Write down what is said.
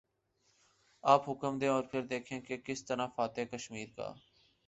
آپ حکم دیں اور پھر دیکھیں کہ کس طرح فاتح کشمیر کا